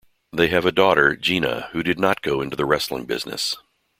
They have a daughter, Gina, who did not go into the wrestling business.